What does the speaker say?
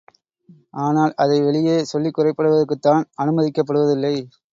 ஆனால் அதை வெளியே சொல்லிக் குறைப்படுவதற்குத்தான் அனுமதிக்கப் படுவதில்லை!